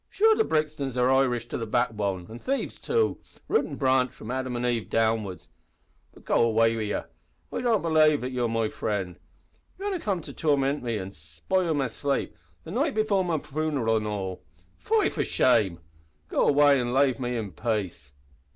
"Sure the Brixtons are Irish to the backbone an' thieves too root an' branch from Adam an' Eve downwards. But go away wid ye. I don't belave that ye're a frind. You've only just come to tormint me an' spile my slape the night before my funeral. Fie for shame! Go away an' lave me in pace."